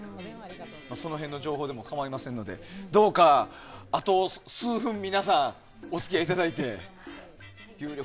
その辺の情報でも構いませんのでどうか、あと数分皆さん、お付き合いいただいて。